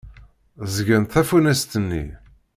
Ẓẓgent tafunast-nni.